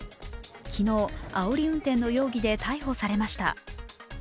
昨日、あおり運転の容疑で逮捕されました。